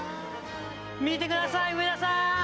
見てください、上田さん。